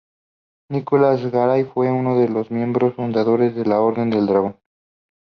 Nicolás Garai fue uno de los miembros fundadores de la Orden del Dragón.